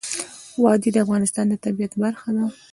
وادي د افغانستان د طبیعت برخه ده.